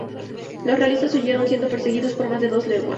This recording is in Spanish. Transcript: Los realistas huyeron, siendo perseguidos por más de dos leguas.